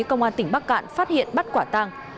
công an tỉnh bắc cạn phát hiện bắt quả tang